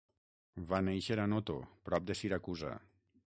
Va néixer a Noto, prop de Siracusa.